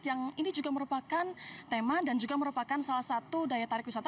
yang ini juga merupakan tema dan juga merupakan salah satu daya tarik wisata